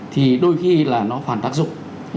thì đôi khi là nó phản tác dụng